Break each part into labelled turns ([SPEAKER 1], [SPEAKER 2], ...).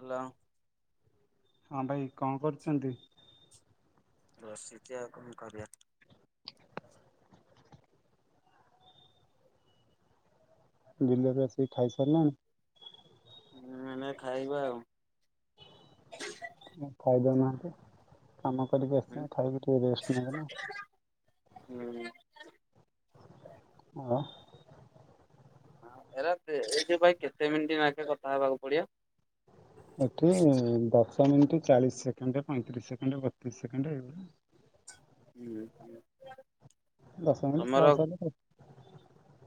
[SPEAKER 1] ହେଲା
[SPEAKER 2] ହଁ ଭାଇ କଣ କରୁଛନ୍ତି?
[SPEAKER 1] ବସିଛି ଆଉ କନ୍ କରିବା।
[SPEAKER 2] ବିଲରୁ ଆସିକି ଖାଇସାରିଲେଣି?
[SPEAKER 1] ହୁଁ ମାନେ ଖାଇବା ଆଉ।
[SPEAKER 2] ଖାଇଦଉନାହାନ୍ତି କାମ କରିକି
[SPEAKER 1] ହୁଁ।
[SPEAKER 2] ଆସିିଛନ୍ତି ଖାଇକି ଟିକେ ରେଷ୍ଟ ନେବେନା।
[SPEAKER 1] ହୁଁ।
[SPEAKER 2] ହଁ।
[SPEAKER 1] ହଁ ଏରା କେ ଏଥି ପାଇଁ କେତେ ମିନିଟ୍ ନାକେ କଥା ହେବାକୁ ପଡିବ।
[SPEAKER 2] ଏଠି ଦଶ ମିଣ୍ଟି ଚାଳିଶ ସେକେଣ୍ଡ ପଇଁତିରିଶ ସେକେଣ୍ଡ ବତିଶ ସେକେଣ୍ଡ ଏଇ [inaudible]
[SPEAKER 1] ହୁଁ ହୁଁ।
[SPEAKER 2] ଦସ ମିନିଟ ପ୍ଲସ ହେଲେ ଚଳିବ।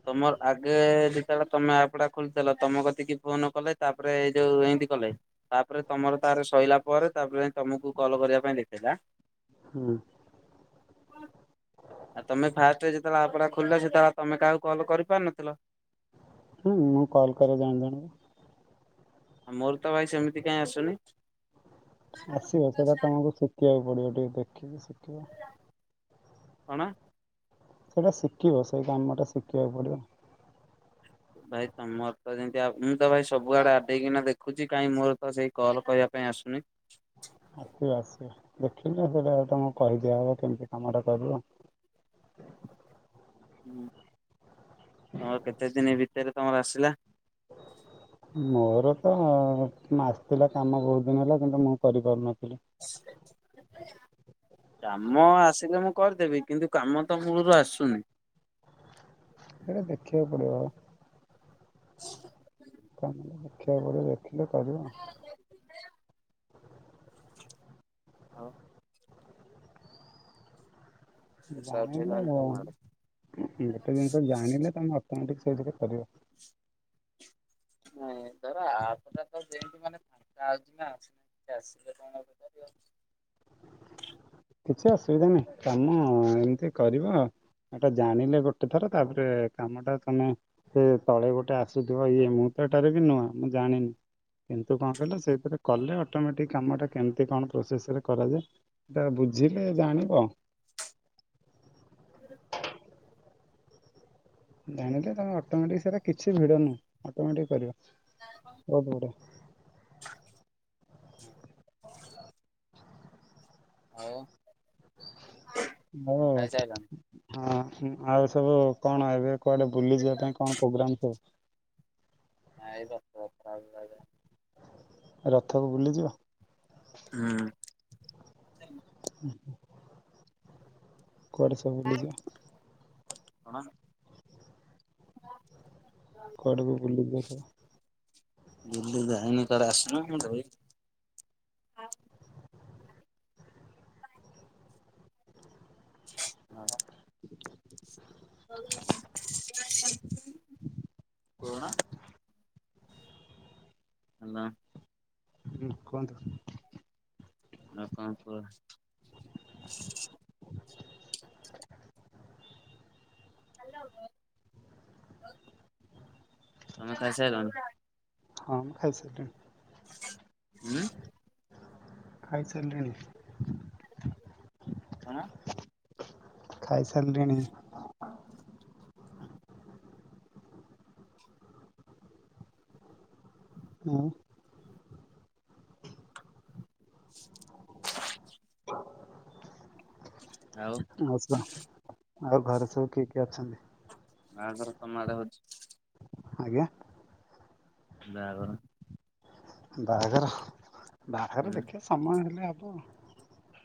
[SPEAKER 1] ତମର ଆଗେ ଯେତେବେଳେ ତମେ ଆପ ଟା ଖୋଲିଥଲ ତମ କତିକି ଫୋନ କଲେ ତାପରେ ଏଇ ଯୋଉ ଏମତି କଲେ। ତାପରେ ତମର ତାର ସଇଲା ପରେ ତାପରେ ଯାଇ ତମକୁ କଲ କରିବା ପାଇଁ ଦେଖେଇଲା।
[SPEAKER 2] ହଁ।
[SPEAKER 1] ଆ ତମେ ଫାଷ୍ଟ ରେ ଯେତେବେଳେ ଆପ ଟା ଖୋଲିଲ ସେତେବେଆ ତମେ କାହାକୁ କଲ କରି ପାର ନଥିଲ।
[SPEAKER 2] ହୁଁ ମୁଁ କଲ୍ କରେ ଜଣେ ଜଣଙ୍କୁ।
[SPEAKER 1] ମୋର ତ ଭାଇ ସେମିତି କାଇଁ ଆସୁନି।
[SPEAKER 2] ଆସିବ ସେଇଟା ତମକୁ ଶିଖିଆକୁ ପଡିବ ଟିକେ ଦେଖିକି ଶିଖିବ।
[SPEAKER 1] କଣ?
[SPEAKER 2] ସେଟା ଶିକିବ ସେଇ କାମଟା ଶିଖିବାକୁ ପଡ଼ିବ।
[SPEAKER 1] ଭାଇ ତମର ତ ଯେମିତି ଆ ମୁଁ ତ ଭାଇ ସବୁଆଡେ ଆଡେଇକିନା ଦେଖୁଛି କାଇଁ ମୋର ତ ସେଇ କଲ୍ କରିବା ପାଇଁ ଆସୁନି।
[SPEAKER 2] ଆସିବ ଆସିବ ଦେଖିଲେ ସେଇଟା ତମକୁ କହିଦିଆହବ କେମିତି କାମଟା କରିବ।
[SPEAKER 1] ହୁଁ ହଁ କେତେ ଦିନି ଭିତରେ ତମର ଆସିଲା।
[SPEAKER 2] ମୋର ତ ମାସିଥିଲା କାମ ବହୁତ ଦିନ ହେଲା କିନ୍ତୁ ମୁଁ କରିପାରୁନଥିଲି।
[SPEAKER 1] [inaudible] କାମ ଆସିଲେ ମୁଁ କରିଦେବି କିନ୍ତୁ କାମ ତ ମୂଳରୁ ଆସୁନି।
[SPEAKER 2] ସେଇଟା ଦେଖିବାକୁ ପଡିବ।
[SPEAKER 1] ହ
[SPEAKER 2] ଦେଖିବାକୁ ପଡ଼ିବ ଦେଖିଲେ କରିବ।
[SPEAKER 1] ଆଉ ବର୍ଷା
[SPEAKER 2] ଜାଣିଲେ
[SPEAKER 1] ଉଠେଇଲାଣି
[SPEAKER 2] ଭ
[SPEAKER 1] ତମ ଆଡେ
[SPEAKER 2] ଗୋଟେ ଜିନିଷ ଜାଣିଲେ ତମେ ଅଟୋମେଟିକ ସେଇଥିରେ କରିବ।
[SPEAKER 1] ନାଇଁ ଧର ଆପଟା ତ ଯେମତି ମାନେ ଫାଙ୍କା ଅଛି ନା ସିଏ ଆସିଲେ କଣ ଆଉ ପଚାରିବ।
[SPEAKER 2] କିଛି ଅସୁବିଧା ନାହିଁ କାମ ଏମିତି କରିବ ଆଉ। ଏଟା ଜାଣିଲେ ଗୋଟେ ଥର ତାପରେ କାମ ଟା ତମେ ସେ ତଳେ ଗୋଟେ ଆସୁଥିବ ଇଏ ମୁଁ ତ ଏଠାରେ ବି ନୁଆ ମୁଁ ଜାଣିନି। କିନ୍ତୁ କଣ କହିଲ ସେଇଥିରେ କଲେ ଅଟୋମେଟିକ୍ କାମଟା କେମିତି କଣ ପ୍ରୋସେସରେ କରାଯାଏ ସେଟା ବୁଝିଲେ ଜାଣିବ।
[SPEAKER 1] ହୁଁ
[SPEAKER 2] ଜାଣିଲେ ତମେ ଅଟୋମେଟିକ ସେରା କିଛି ଭିଡ ନୁହଁ ଅଟୋମେଟିକ କରିବ ବହୁତ ଗୁଡେ।
[SPEAKER 1] ହୁଁ ଆଉ
[SPEAKER 2] ମୁ
[SPEAKER 1] ତମେ ଖାଇସାଇଲଣି?
[SPEAKER 2] ହଁ ଆଉ ସବୁ କଣ ଏବେ କୁଆଡେ ବୁଲିଯିବା ପାଇଁ କଣ ପୋଗ୍ରାମ ସବୁ
[SPEAKER 1] ନାଇଁ ରଥଯାତ୍ରା ରଇଲୀ।
[SPEAKER 2] ରଥକୁ ବୁଲିଯିବ।
[SPEAKER 1] ହୁଁ
[SPEAKER 2] ଉଁ ହୁଁ କୁଆଡ଼େ ସବୁ ବୁଲିଯିବା?
[SPEAKER 1] କଣ [unintelligible]
[SPEAKER 2] କୁଆଡକୁ ବୁଲିଯିବ ସବୁ?
[SPEAKER 1] ବୁଲି ଯାଇନି କୁଆଡ଼େ ଆସୁନୁ ମୂ ଦେବୀ ନାଁପା। ପୁରୁଣା ହ୍ୟାଲୋ
[SPEAKER 2] ହୁଁ କୁହନ୍ତୁ।
[SPEAKER 1] ଆଉ କଣ କୁହ? ତମେ ଖାଇ ସାରିଲଣି?
[SPEAKER 2] ହଁ ମୁ ଖାଇସାରିଲିଣି।
[SPEAKER 1] ହୁଁ
[SPEAKER 2] ଖାଇସାରିଲିଣି
[SPEAKER 1] କଣ
[SPEAKER 2] ଖାଇସାରିଲିଣି ମୂ
[SPEAKER 1] ଆଉ
[SPEAKER 2] ଆଛା ଆଉ ଘରେ ସବୁ କିଏ କିଏ ଅଛନ୍ତି?
[SPEAKER 1] ବାହାଘର ତମ ଆଡେ ହଉଛି
[SPEAKER 2] ଆଜ୍ଞା
[SPEAKER 1] ବାହାଘର
[SPEAKER 2] ବାହାଘର ବାହାଘର ଦେଖିବା ସମୟ ହେଲେ ହବ।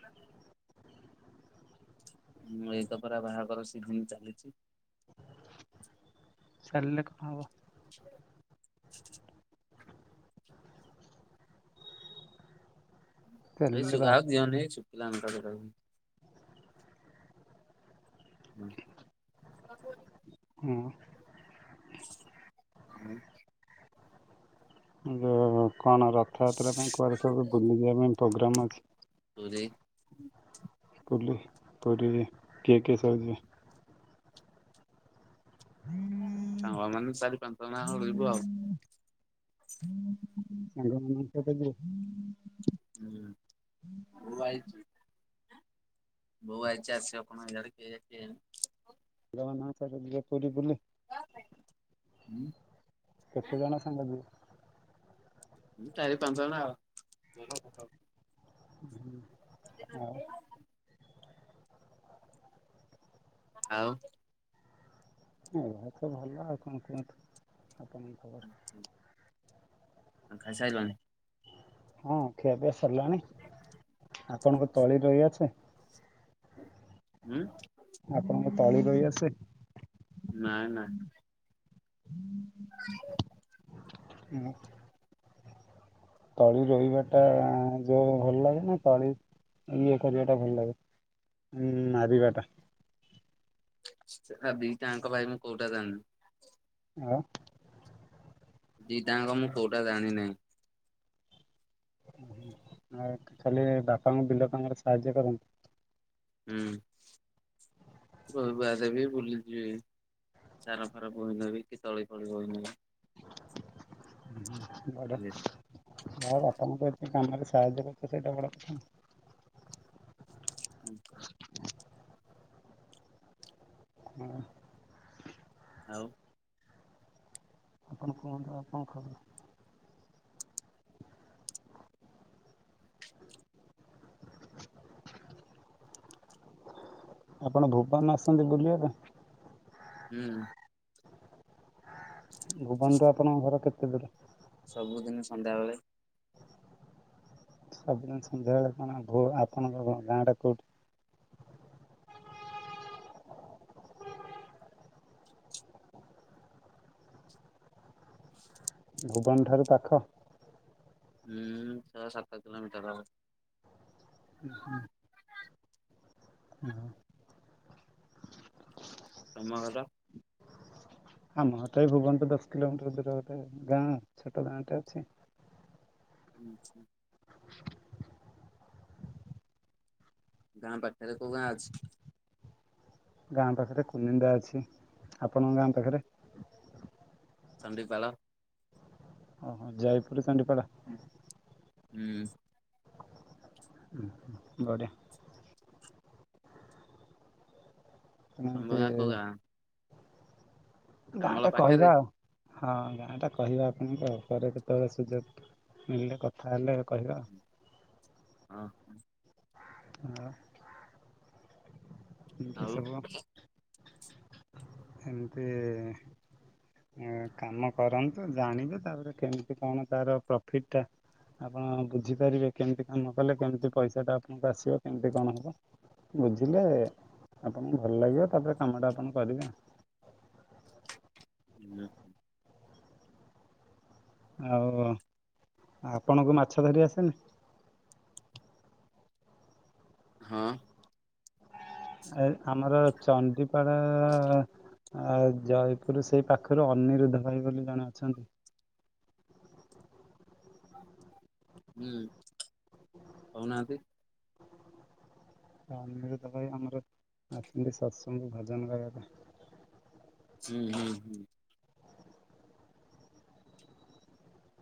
[SPEAKER 1] ନା ହିଁ। ମୁଁ ଏଇ ତ ପୁରା ବାହାଘର ସିଜିନ ଚାଲିଛି।
[SPEAKER 2] ସାରିଲେ କଣ ହବ
[SPEAKER 1] ଏଇ
[SPEAKER 2] ଚାଲିଲେ
[SPEAKER 1] ସୁୁଗା
[SPEAKER 2] ବାହା
[SPEAKER 1] ଆଉ ଦିଅନି ଏଇ ଶୁଖିଲା ଲଙ୍କା ଦିଟା ଦେଉ ହୁଁ।
[SPEAKER 2] ହଁ।
[SPEAKER 1] ହଁ।
[SPEAKER 2] ଯୋ କଣ ରଥଯାତ୍ରା ପାଇଁ କୁଆଡେ ସବୁ ବୁଲି ଯିବା ପାଇଁ ପୋଗ୍ରାମ ଅଛି?
[SPEAKER 1] ପୁରୀ।
[SPEAKER 2] ବୁଲି, ପୁରୀ କିଏ କିଏ ସବୁ ଯିବେ?
[SPEAKER 1] ସାଙ୍ଗ ମାନେ ଚାରି ପାଞ୍ଚ ଜଣ ଯାକ ଯିବୁ ଆଉ।
[SPEAKER 2] ସାଙ୍ଗ ମାନେ କେବେ ଯିବେ?
[SPEAKER 1] ହୁଁ, ବୋଉ ଆଇଚି। ବୋଉ ଆଇଚି ଆସିବ କଣ କେଇଏ କେଇଜାଣେ।
[SPEAKER 2] ହଁ ଚାଲ ଯିବା ପୁରୀ ବୁଲି।
[SPEAKER 1] ଉଁ,
[SPEAKER 2] କେତେ ଜଣ ସାଙ୍ଗ ଯିବ?
[SPEAKER 1] ହୁଁ, ଚାରି ପାଞ୍ଚ ଜଣ ଆଉ।
[SPEAKER 2] ଆଉ
[SPEAKER 1] [inaudible] ଆଉ
[SPEAKER 2] ହଁ ଏତେ ଭଲ ଲ, ଆଉ କଣ କୁହନ୍ତୁ? ଆପଣଙ୍କ କ
[SPEAKER 1] [inaudible] ଆଉ ଖାଇ ସାଇଲଣି?
[SPEAKER 2] ହଁ ଖିଆପିଆ ସରଲାଣି। ଆପଣଙ୍କ ତଳି ରୋଇବା ଅଛି?
[SPEAKER 1] ଉଁ,
[SPEAKER 2] ଆପଣଙ୍କୁ ତୋଳି ରୁଇ ଆସେ?
[SPEAKER 1] ନାଇ, ନା।
[SPEAKER 2] [unintelligible] ରୋଇବା ଟା ଯୋଉ ଭଲ ଲାଗେ ନା ତଳି ଇଏ କରିବା ଟା ଭଲ ଲାଗେ? ଉଁ, ମାରିବା ଟା।
[SPEAKER 1] ସେ ଆ, ଦିଟା ଆଙ୍କ ଭାଇ ମୁଁ କୋଉଟା ଜାଣିନି।
[SPEAKER 2] ଆଉ
[SPEAKER 1] ଦି ଟା ଆଙ୍କ ମୁଁ କୋଉଟା ଜାଣିିନାହିଁ।
[SPEAKER 2] ଖାଲି ବାପାଙ୍କୁ ବିଲ କାମରେ ସାହାଯ୍ୟ କରନ୍ତି?
[SPEAKER 1] ହୁଁ, ଘରୁ ବାହାରେ ବି ବୁଲି ଯିବି। ସାର ଫାର ବୋହି ନେବି କି ତଳି ଫଳି ବହି ନେବି।
[SPEAKER 2] ବଡ ଯା ହଉ ବାପାଙ୍କୁ ତ ଏତେ କାମରେ ସାହାଯ୍ୟ କରୁଛ ସେଇଟା ବଡ କଥା।
[SPEAKER 1] ଆଚ୍ଛା।
[SPEAKER 2] ହଁ।
[SPEAKER 1] ଆଉ।
[SPEAKER 2] ଆପଣ କୁହନ୍ତୁ ଆଉ କଣ ଖବର? ଆପଣ ଭୁବନ ଆସନ୍ତି ବୁଲିବା ପାଇଁ?
[SPEAKER 1] ହୁଁ।
[SPEAKER 2] ଭୁବନଠୁ ଆପଣଙ୍କ ଘର କେତେ ଦୂର?
[SPEAKER 1] ସବୁଦିନ ସନ୍ଧ୍ୟାବେଳେ
[SPEAKER 2] ସବୁଦିନ ସନ୍ଧ୍ୟାବେଳେ କଣ ଭୋ ଆପଣଙ୍କ ଗାଁ ଟା କେଉଁଠି? ଭୁବନ ଠାରୁ ପାଖ।
[SPEAKER 1] ହୁଁ ଛଅ ସାତ କିିଲୋମିଟର ହବ।
[SPEAKER 2] ଉଁ ହୁଁ। ହୁଁ।
[SPEAKER 1] ତମ ଘର?
[SPEAKER 2] ଆମ ଘର ଟା ଏଇ ଭୁବନ ଟୁ ଦଶ କିଲୋମିଟର ଦୂର ଗୋଟେ ଗାଁ ଛୋଟ ଗାଁ ଟେ ଅଛି।
[SPEAKER 1] ଆଛା। ଗାଁ ପାଖରେ କୋଉ ଗାଁ ଅଛି।
[SPEAKER 2] ଗାଁ ପାଖରେ କୁନିନ୍ଦା ଅଛି ଆପଣଙ୍କ ଗାଁ ପାଖରେ?
[SPEAKER 1] ଚଣ୍ଡିପାଳ।
[SPEAKER 2] ଓ ହୋ ଯଇପୁରୁ ଚଣ୍ଡିପାଳ।
[SPEAKER 1] ହୁଁ।
[SPEAKER 2] ଓ ହୋ। ବଢିଆ। ତମେ
[SPEAKER 1] ତମ
[SPEAKER 2] ଏମିତି
[SPEAKER 1] ଗାଁ କୋଉ ଗାଁ।
[SPEAKER 2] ଗାଁ
[SPEAKER 1] ଶ୍ୟାମଳ
[SPEAKER 2] ଟା କହିବା
[SPEAKER 1] ପାଖରେ
[SPEAKER 2] ଆଉ ହଁ ଗାଁ ଟା କହିବା ଆପଣଙ୍କୁ ଆଉ ପରେ କେତେବେଳେ ସୁଯୋଗ। ମିଳିଲେ କଥା ହେଲେ କହିବା।
[SPEAKER 1] ହଁ ହଁ।
[SPEAKER 2] ଆଉ। ଏମିତି
[SPEAKER 1] ହଁ
[SPEAKER 2] ସବୁ। ହେମିତି। ଆଉ କାମ କରନ୍ତୁ ଜାଣିବେ ତାପରେ କେମିତି କଣ ତାର ପ୍ରଫିଟ ଟା। ଆପଣ ବୁଝିପାରିବେ କେମିତି କାମ କଲେ କେମିତି ପଇସା ଟା ଆପଣଙ୍କୁ ଆସିବ କେମିତି କଣ ହବ। ବୁଝିଲେ ଆପଣଙ୍କୁ ଭଲ ଲାଗିବ ତାପରେ କାମଟା ଆପଣ କରିବେ ଆଉ।
[SPEAKER 1] ହୁଁଁ।
[SPEAKER 2] ଆଉ ଆପଣଙ୍କୁ ମାଛ ଧରି ଆସେନି।
[SPEAKER 1] ହଁ।
[SPEAKER 2] ଏ ଆମର ଚଣ୍ଡିପାଳ। ଆଉ ଜଇପୁର ସେଇ ପାଖରେ ଅନିରୁଦ୍ଧ ଭାଇ ବୋଲି ଜଣେ ଅଛନ୍ତି।
[SPEAKER 1] ହୁଁ କହୁ ନାହାନ୍ତି।
[SPEAKER 2] ସେ ଅନିରୁଦ୍ଧ ଭାଇ ଆମର ଆସନ୍ତି ଶତସଙ୍ଗ କୁ ଭଜନ ଗାଇବା ପାଇଁ।
[SPEAKER 1] ହୁଁ ହୁଁ ହୁଁ।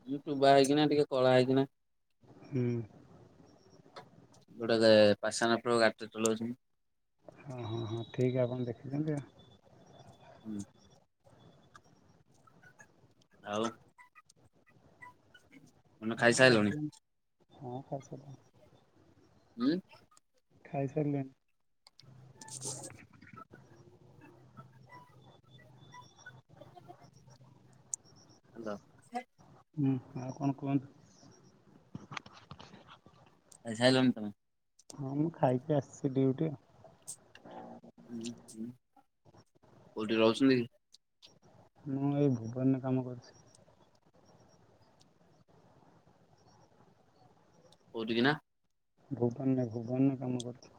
[SPEAKER 1] ହୁଁ ଟୁବା ହେଇକି ନା ଟିକେ କଳା ହେଇକି ନା।
[SPEAKER 2] ହୁଁ।
[SPEAKER 1] ଗୋଟେ ସେ ପାସେନେ ପ୍ରୋ ଗାଡି ଟେ ଚଲଉଛନ୍ତି।
[SPEAKER 2] ହଁ ହଁ ହଁ ଠିକ ଆପଣ ଦେଖିଛନ୍ତି ଆଉ।
[SPEAKER 1] ହୁଁ। ଆଉ। ତମେ
[SPEAKER 2] ନାଇଁ ଆଉ
[SPEAKER 1] ଖାଇସାରିଲଣି
[SPEAKER 2] କଣ ହଁ ଖାଇ ସାଇଲିଣି।
[SPEAKER 1] ଉଁ।
[SPEAKER 2] ଖାଇ ସାରିଲିଣି।
[SPEAKER 1] ହାଲୋ।
[SPEAKER 2] ହୁଁ ଆଉ କଣ କୁହନ୍ତୁ?
[SPEAKER 1] ଖାଇ ସାଇଲଣି ତମେ।
[SPEAKER 2] ହଁ ମୁଁ ଖାଇକି ଆସିଛି ଡିଉଟି।
[SPEAKER 1] ଉଁ ହୁଁ କୋଉଠି ରହୁଛନ୍ତି?
[SPEAKER 2] ମୁଁ ଏଇ ଭୁବନରେ କାମ କରୁଛି।
[SPEAKER 1] କୋଉଠି କି ନା।
[SPEAKER 2] ଭୁବନରେ ଭୁବନ ରେ କାମ କରୁଚି।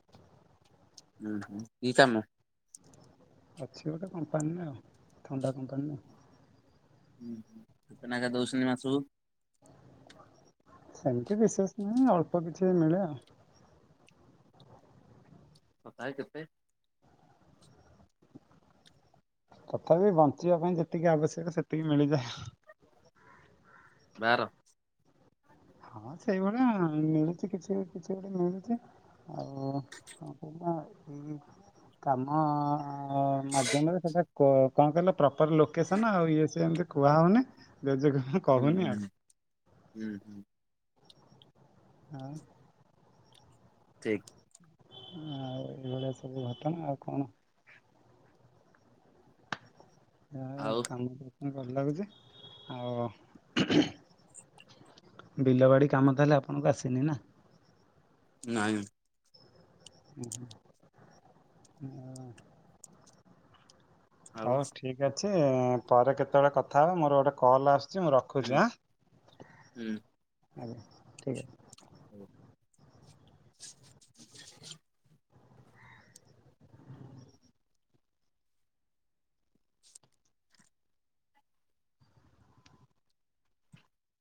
[SPEAKER 1] ଉଁ ହୁଁ କି କାମ?
[SPEAKER 2] ଅଛି ଗୋଟେ କମ୍ପାନୀରେ ଆଉ ଥଣ୍ଡା କମ୍ପାନୀରେ।
[SPEAKER 1] ଉଁ ହୁଁ କେତେନେଖା ଦଉଚନ୍ତି ମାସକୁ?
[SPEAKER 2] ସେମିତି ବିଶେଷ ନାହିଁ ଅଳ୍ପ କିଛି ମିଳେ ଆଉ।
[SPEAKER 1] ତଥାପି କେତେ?
[SPEAKER 2] ତଥାପି ବଞ୍ଚିବା ପାଇଁ ଯେତିକି ଆବଶ୍ୟକ ସେତିକି ମିଳିଯାଏ ଆଉ।
[SPEAKER 1] ବାର।
[SPEAKER 2] ହଁ ସେଇଭଳିଆ ମିଳୁଛି କିଛି କିଛି ଗୋଟେ ମିଳୁଚି। ଆଉ କଣ କଇଲ ଏଇ କାମ ହଁ ମାଧ୍ୟମରେ ସେଇଟା କ କଣ କହିଲ ପ୍ରପର ଲୋକେସନ ଆଉ ଇଏ ସିଏ ଏମିତି କୁହା ହଉନି ଜେଜେକୁ ହୁଁ
[SPEAKER 1] ଉଁ ହୁଁ ହୁଁ ହୁଁ।
[SPEAKER 2] ଆଉ
[SPEAKER 1] ଠିକ।
[SPEAKER 2] ଆଉ ଏଇଭଳିଆ ସବୁ ଘଟଣା ଆଉ କଣ? ଆଉ କାମ କରୁଚନ୍ତି ଭଲ ଲାଗୁଛି ଆଉ ହୁଁ ହୁଁ ବିଲବାଡ଼ି କାମ ତାହେଲେ ଆପଣଙ୍କୁ ଆସେନି ନା।
[SPEAKER 1] ନାଇଁ।
[SPEAKER 2] ଉଁ ହୁଁ ଆଉ
[SPEAKER 1] ଆଉ
[SPEAKER 2] ହଉ ଠିକ୍ ଅଛି ପରେ କେତେବେଳେ କଥା ହେବା। ମୋର ଗୋଟେ କଲ୍ ଆସୁ ଚି ମୁଁ ରଖୁଚି
[SPEAKER 1] ହୁଁ
[SPEAKER 2] ଆଁ ଆଜ୍ଞା ଠିକ ଅଛି।
[SPEAKER 1] ହୁଁ।